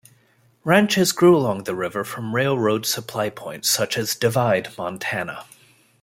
Ranches grew along the river from railroad supply points such as Divide, Montana.